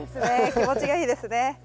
気持ちがいいですね。